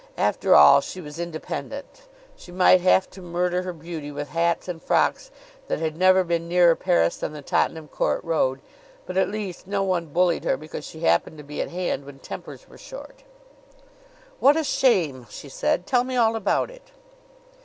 After all, she was independent. She might have to murder her beauty with hats and frocks that had never been nearer Paris than the Tottenham Court Road; but at least no one bullied her because she happened to be at hand when tempers were short. "What a shame!" she said. "Tell me all about it."